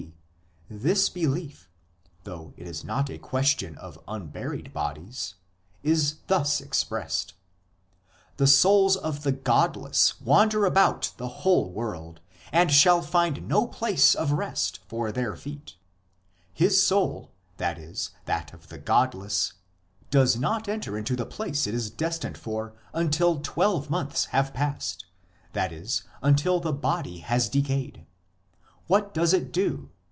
D. this belief (though it is not a ques tion of uriburied bodies) is thus expressed :" the souls of the godless wander about over the whole world, and shall find no place of rest for their feet. His soul [i.e. that of the godless] does not enter into the place it is destined for until twelve months have passed, that is until the body has decayed. What does it do